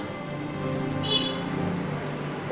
untuk saya dan abi